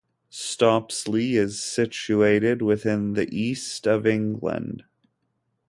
Stopsley is situated within the East of England.